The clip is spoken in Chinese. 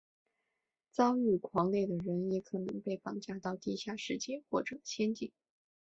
遭遇狂猎的人也可能被绑架到地下世界或者仙境。